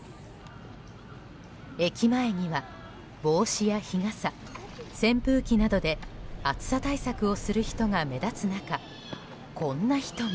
駅前には、帽子や日傘扇風機などで暑さ対策をする人が目立つ中こんな人も。